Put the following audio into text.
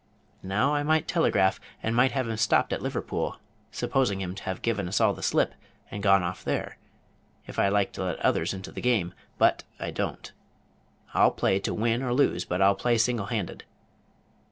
Now I might telegraph, and have him stopped at Liverpool supposing him to have given us all the slip, and gone off there if I like to let others into the game; but I don't. I'll play to win or lose; but I'll play singlehanded.